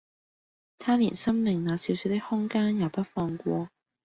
他連心靈那小小的空間也不放過